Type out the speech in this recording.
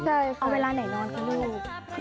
เคยเอาเวลาไหนนอนคะลูก